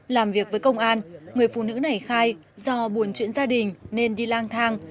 làm việc với công an người phụ nữ này khai do buồn chuyện gia đình nên đi lang thang